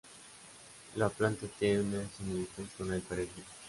La planta tiene una similitud con el perejil.